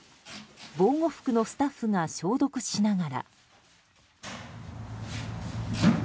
防護服のスタッフが消毒しながら。